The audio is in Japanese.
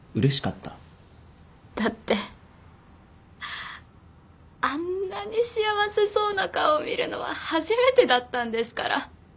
だってあんなに幸せそうな顔見るのは初めてだったんですから。